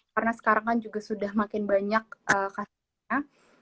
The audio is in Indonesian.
karena sekarang kan juga sudah makin banyak kasusnya